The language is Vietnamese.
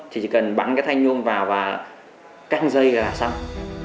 chỉ cần bắn cái thanh nhuông vào và căng dây là xong